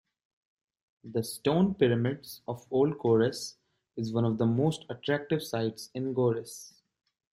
The stone-pyramids of Old Kores is one of the most attractive sites in Goris.